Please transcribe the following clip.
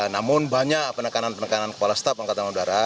namun banyak penekanan penekanan kepala staf angkatan udara